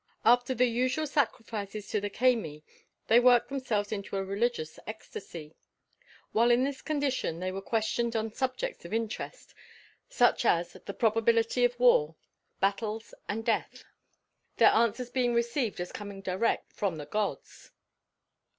After the usual sacrifices to the Cemi they worked themselves into a religious ecstasy; while in this condition they were questioned on subjects of interest, such as the probability of war, battles and death, their answers being received as coming direct from the Gods.